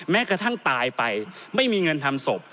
แม้กระทั่งตายไปไม่มีเงินทำศพ